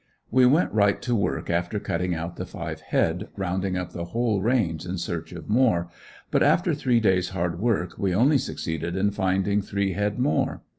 We went right to work after cutting out the five head, rounding up the whole range in search of more, but after three days hard work we only succeeded in finding three head more.